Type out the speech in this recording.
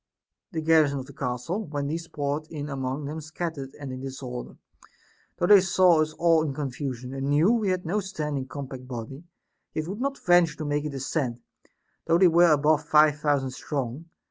The garrison of the castle, when these poured in among them scattered and in disorder, though they saw us all in confusion, and knew we had no standing compact body, yet would not venture to make a descent, though they were above five thousand strong.